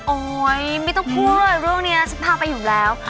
โอ๊ยไม่ต้องพูดเรื่องนี้ฉันพาไปอยู่แล้ว